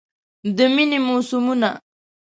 د میینې موسمونه